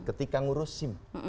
ketika ngurus sim